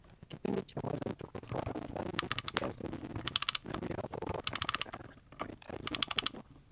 kipindi cha mwezi mtukufu wa Ramadhani viazi na mihogo huwa katika mahitaji makubwa